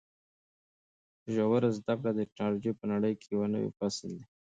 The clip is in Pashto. ژوره زده کړه د ټکنالوژۍ په نړۍ کې یو نوی فصل دی.